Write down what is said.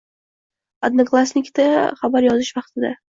Odnoklassnikida xabar yozish vaqtida